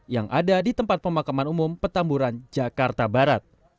yang ada di tempat pemakaman umum petamburan jakarta barat